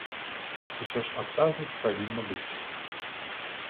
Усё ж адказнасць павінна быць.